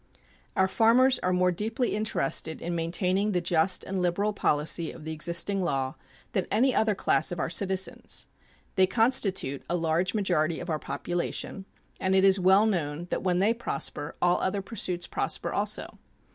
Our farmers are more deeply interested in maintaining the just and liberal policy of the existing law than any other class of our citizens. They constitute a large majority of our population, and it is well known that when they prosper all other pursuits prosper also.